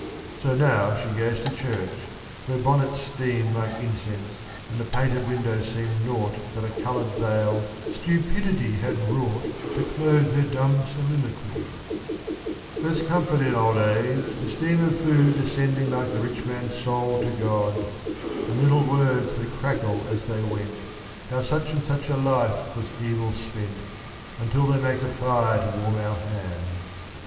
So now she goes to church, where bonnets steam Like incense, and the painted windows seem Nought but a coloured veil stupidity Had wrought to clothe her dumb soliliquy :' There's comfort in old age : the steam of food Ascending like the rich man's soul to God ; And little words that crackle as they went, How such and such a life was evil spent Until they make a fire to warm our hands.